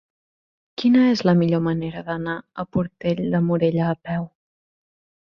Quina és la millor manera d'anar a Portell de Morella a peu?